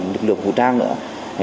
lực lượng vũ trang nữa